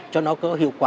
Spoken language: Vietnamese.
cho nó có hiệu quả